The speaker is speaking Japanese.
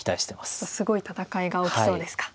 すごい戦いが起きそうですか。